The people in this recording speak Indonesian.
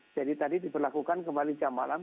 jadi tadi diperlakukan kembali jam malam